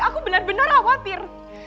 aku benar benar khawatir